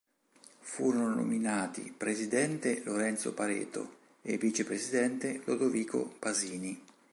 Furono nominati presidente Lorenzo Pareto e vicepresidente Lodovico Pasini.